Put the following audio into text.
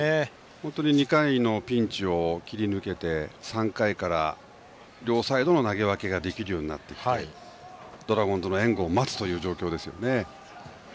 本当に２回のピンチを切り抜けて３回から両サイドの投げ分けができるようになってきてドラゴンズの援護を待つ状況です。